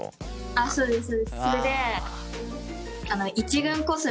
あっそうです！